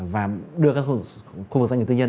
và đưa các khu vực doanh nghiệp tư nhân